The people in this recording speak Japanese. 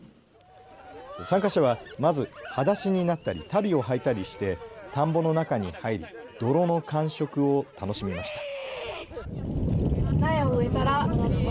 参加者はまず、はだしになったり足袋をはいたりして田んぼの中に入り泥の感触を楽しみました。